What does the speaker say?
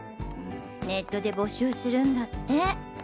ネットで募集するんだって。